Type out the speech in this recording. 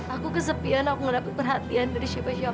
aku kesepian aku gak dapet perhatian dari siapa siapa